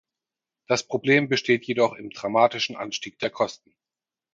Das Problem besteht jedoch im dramatischen Anstieg der Kosten.